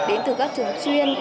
đến từ các trường chuyên